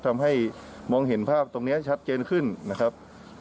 ทำให้มองเห็นภาพตรงนี้ชัดเจนขึ้นนะครับ